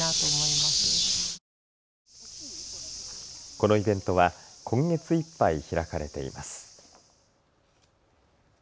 このイベントは今月いっぱい開かれています。